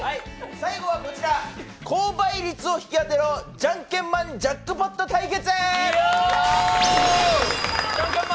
最後はこちら高倍率を引き当てろ、「ジャンケンマンジャックポット対決」。